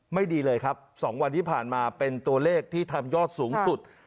ไม่ดีเลยครับ๒วันที่ผ่านมาเป็นตัวเลขที่ทำยอดสูงสุด